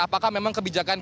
apakah memang kebijakan ganjil